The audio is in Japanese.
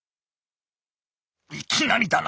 いきなりだな！